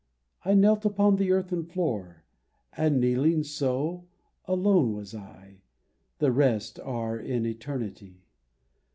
I knelt upon the earthen floor, And, kneeling so, alone was I : (The rest are in Eternity).